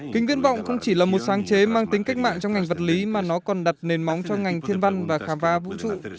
kính viễn vọng không chỉ là một sáng chế mang tính cách mạng trong ngành vật lý mà nó còn đặt nền móng cho ngành thiên văn và khám phá vũ trụ